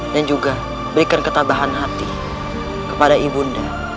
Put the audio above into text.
dan juga berikan ketabahan hati kepada ibu nda